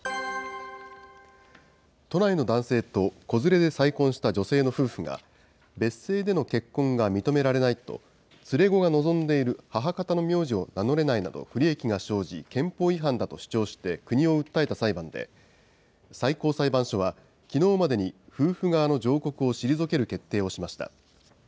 都内の男性と子連れで再婚した女性の夫婦が、別姓での結婚が認められないと、連れ子が望んでいる母方の名字を名乗れないなど不利益が生じ、憲法違反だと主張して国を訴えた裁判で、最高裁判所はきのうまでに夫婦側の上告を退ける決定をしました。